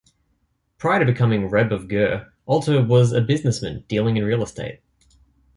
Prior to becoming Rebbe of Ger, Alter was a businessman dealing in real estate.